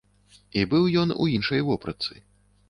І быў ён у іншай вопратцы.